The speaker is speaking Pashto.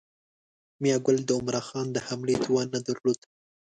میاګل د عمرا خان د حملې توان نه درلود.